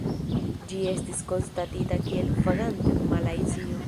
Ĝi estis konstatita kiel vaganto en Malajzio.